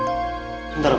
tunggu sebentar om